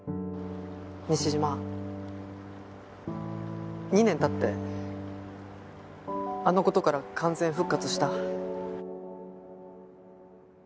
西島２年経ってあの事から完全復活した？